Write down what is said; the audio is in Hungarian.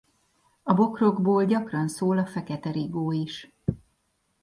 A bokrokból gyakran szól a fekete rigó is.